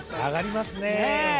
上がりますね。